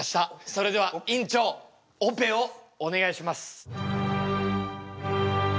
それでは院長オペをお願いします。